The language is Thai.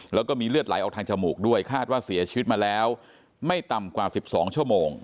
แล้วก็มีเลือดไหลออกทางจมูกด้วยคาดว่าเสียชีวิตมาแล้วไม่ต่ำกว่า๑๒ชั่วโมง